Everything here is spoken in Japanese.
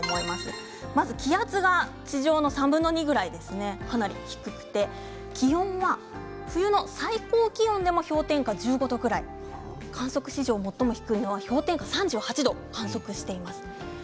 気圧が地上の３分の２くらいかなり低くて気温は冬の最高気温でも氷点下１５度くらい観測史上最も低いのは、氷点下３８度を観測しています。